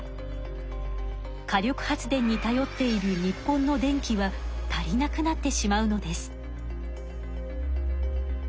火力発電にたよっている日本の電気は足りなくなってしまうのです。